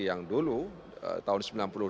yang dulu tahun sembilan puluh delapan